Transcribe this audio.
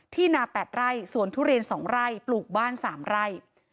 นา๘ไร่สวนทุเรียน๒ไร่ปลูกบ้าน๓ไร่